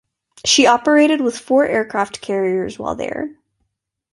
She operated with four aircraft carriers while there.